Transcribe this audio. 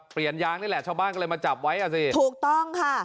ยางนี่แหละชาวบ้านก็เลยมาจับไว้อ่ะสิถูกต้องค่ะ